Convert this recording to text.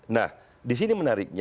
nah di sini menariknya